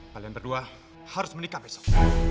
kalian berdua harus menikah besok